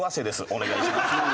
お願いします。